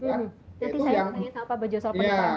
jadi saya ingat pak bejo soal perintah